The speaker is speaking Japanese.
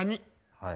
はい。